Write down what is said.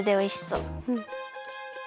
うん。